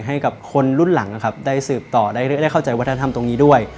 ให้กับคนรุ่นหลังนะครับได้สืบต่อได้เข้าใจวัฒนธรรมตรงนี้ด้วย